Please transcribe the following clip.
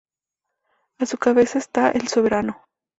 A su cabeza está el soberano.